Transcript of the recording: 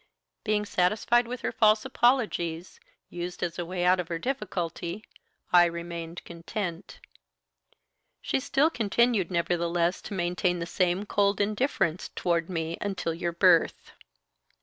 Being satisfied with her false apologies, used as a way out of her difficulty, I remained content. She still continued nevertheless to maintain the same cold indifference towards me until your birth.